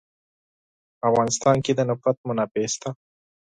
په افغانستان کې د نفت منابع شته.